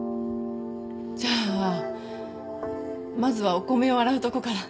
じゃあまずはお米を洗うとこから